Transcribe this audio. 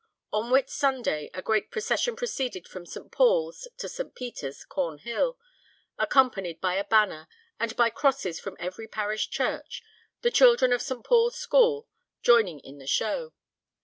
On Whit Sunday a great procession proceeded from St. Paul's to St. Peter's, Cornhill, accompanied by a banner, and by crosses from every parish church, the children of St. Paul's School joining in the show.